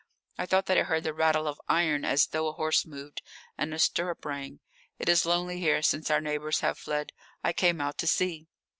"I thought that I heard the rattle of iron as though a horse moved and a stirrup rang. It is lonely here since our neighbours have fled. I came out to see."